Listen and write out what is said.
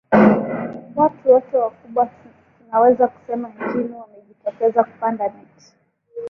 watu wote wakubwa tunaweza sema nchini wakajitokeza kupanda miti